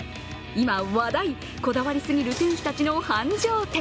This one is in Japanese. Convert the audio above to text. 今、話題、こだわりすぎる店主たちの繁盛店。